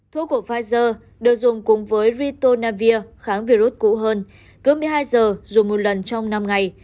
thuốc của pfizer được dùng cùng với retonavir kháng virus cũ hơn cứ một mươi hai giờ dù một lần trong năm ngày